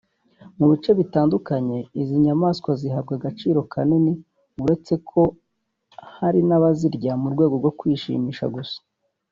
Mu bice bitandukanye izi nyamaswa zihabwa agaciro kanini uretse ko hari n’abazirya mu rwego rwo kwishimisha gusa